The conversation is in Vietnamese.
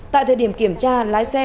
tại thời điểm kiểm tra lái xe